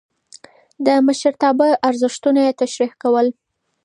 د مشرتابه ارزښتونه يې تشريح کول.